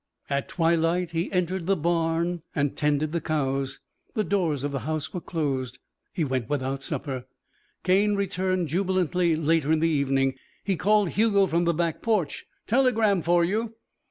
At twilight he entered the barn and tended the cows. The doors of the house were closed. He went without supper. Cane returned jubilantly later in the evening. He called Hugo from the back porch. "Telegram for you."